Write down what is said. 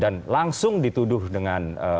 dan langsung dituduh dengan